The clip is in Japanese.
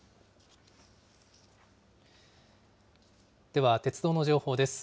では、鉄道の情報です。